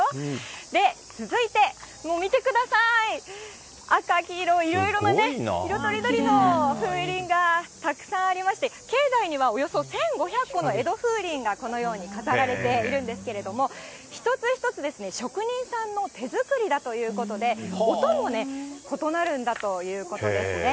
で、続いて、見てください、赤、黄色、いろいろなね、色とりどりの風鈴がたくさんありまして、境内にはおよそ１５００個の江戸風鈴がこのように飾られているんですけれども、一つ一つ職人さんの手作りだということで、音もね、異なるんだということですね。